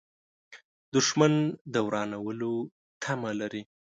دښمن د ورانولو تمه لري